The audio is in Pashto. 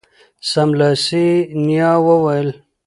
سملاسي یې نیا وویل